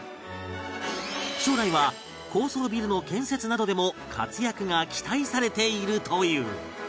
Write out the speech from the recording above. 将来は高層ビルの建設などでも活躍が期待されているという